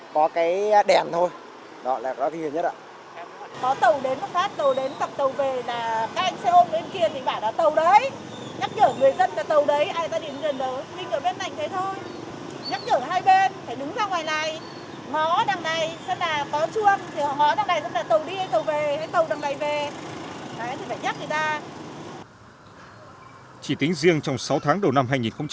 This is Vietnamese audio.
chỉ tính riêng trong sáu tháng đầu năm hai nghìn một mươi sáu